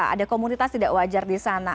ada komunitas tidak wajar di sana